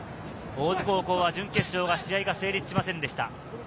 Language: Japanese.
大津高校は準決勝が試合が成立しませんでした。